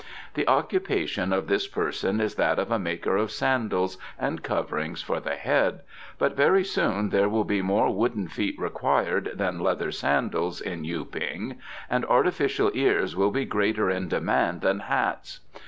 The occupation of this person is that of a maker of sandals and coverings for the head, but very soon there will be more wooden feet required than leather sandals in Yu ping, and artificial ears will be greater in demand than hats.